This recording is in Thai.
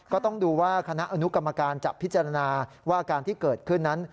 ก็ต้องดูว่าคณะอนุกรรมการจะพิจารณาว่าการที่เกิดขึ้นนั้น